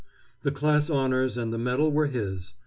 The class honors and the medal were his.